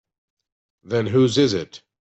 Then whose is it?